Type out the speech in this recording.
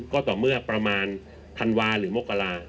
ก็ต่อเมื่อประมาณธันวาหรือมกรา